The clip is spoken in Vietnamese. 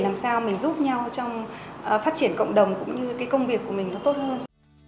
làm sao mình giúp nhau trong phát triển cộng đồng cũng như công việc của mình tốt hơn